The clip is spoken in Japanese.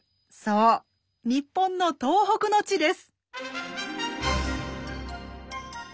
そう日本の東北の地です。